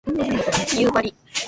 夕張